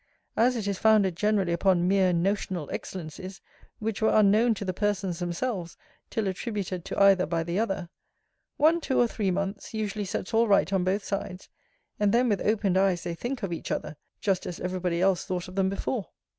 'As it is founded generally upon mere notional excellencies, which were unknown to the persons themselves till attributed to either by the other; one, two, or three months, usually sets all right on both sides; and then with opened eyes they think of each other just as every body else thought of them before.